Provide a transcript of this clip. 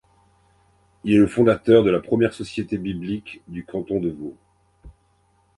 Il est le fondateur de la première Société biblique du canton de Vaud.